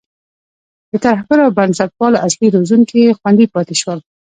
د ترهګرو او بنسټپالو اصلي روزونکي خوندي پاتې شول.